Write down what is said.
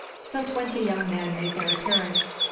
So twenty young men made their appearance.